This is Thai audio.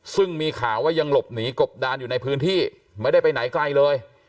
ซึ่งมีข่าวว่ายังหลบหนีกบดานอยู่ในพื้นที่ไม่ได้ไปไหนไกลเลย